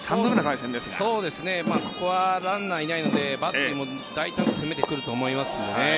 ここはランナーいないのでバッテリーも大胆に攻めてくると思います。